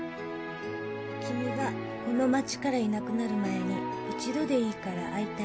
「君がこの町からいなくなる前に一度でいいから会いたい」